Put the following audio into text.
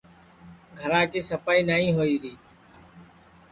گھرا کی سپائی نائی ہوئی ری